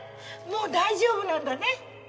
もう大丈夫なんだね？